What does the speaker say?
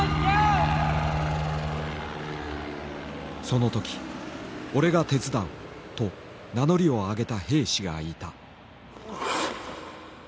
その時「俺が手伝う」と名乗りを上げた兵士がいた。